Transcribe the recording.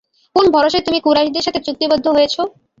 কোন ভরসায় তুমি কুরাইশদের সাথে চুক্তিবদ্ধ হয়েছ?